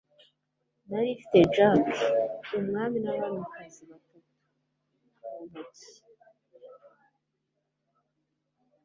Nari mfite jack, umwami n'abamikazi batatu mu ntoki.